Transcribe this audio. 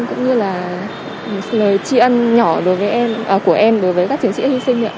cũng như là lời tri ân nhỏ của em đối với các chiến sĩ đã hy sinh